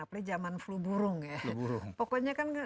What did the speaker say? apalagi jaman flu burung ya